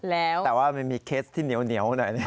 แต่ว่ามันมีเคสที่เหนียวหน่อย